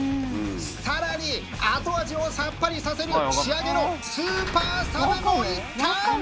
更に後味をさっぱりさせる仕上げのスーパーサブもいった！